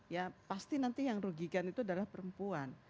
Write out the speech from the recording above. ya pasti nanti yang rugikan itu adalah perempuan